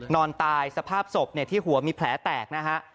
นอนตายสภาพศพที่หัวมีแผลแตกนะฮะ